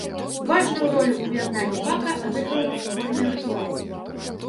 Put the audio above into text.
Важную ролю ў яднанні бака адыгрываюць супольныя рытуалы.